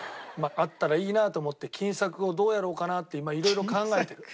あったらいいなと思って金策をどうやろうかなって今いろいろ考えてる。